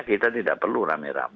kita tidak perlu rame rame